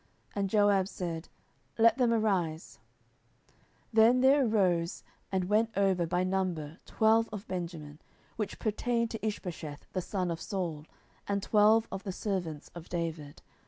And Joab said, Let them arise. 10:002:015 Then there arose and went over by number twelve of Benjamin, which pertained to Ishbosheth the son of Saul, and twelve of the servants of David.